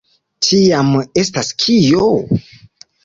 Tiam, estas kio?